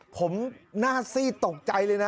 ผมหน้าซีดตกใจเลยนะ